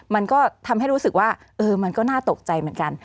มันก็ทำให้รู้สึกว่ามันก็น่าตกใจเหมือนกัน